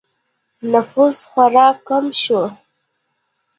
نفوس خورا کم شو